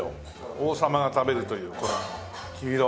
王様が食べるというこの黄色。